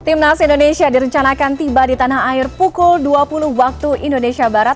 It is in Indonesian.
timnas indonesia direncanakan tiba di tanah air pukul dua puluh waktu indonesia barat